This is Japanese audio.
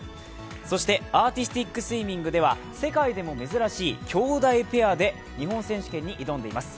そしてアーティスティックスイミングでは世界でも珍しい姉弟ペアで日本選手権に挑んでいます。